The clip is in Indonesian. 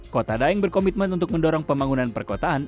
kota daeng berkomitmen untuk mendorong pembangunan perkotaan